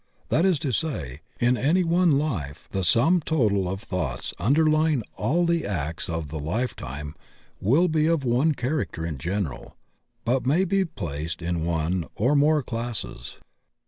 That is to say; in any one life, the sum total of thoughts underlying all the acts of the life time will be of one character in general, but may be placed in one or more THE REGISTER OF THOUGHTS 55 classes.